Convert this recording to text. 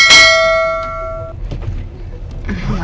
aku mau ke rumah